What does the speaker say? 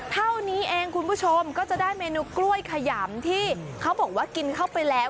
เท่านี้เองคุณผู้ชมก็จะได้เมนูกล้วยขยำที่เขาบอกว่ากินเข้าไปแล้ว